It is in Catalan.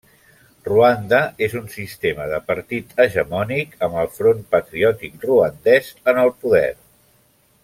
Ruanda és un sistema de partit hegemònic amb el Front Patriòtic Ruandès en el poder.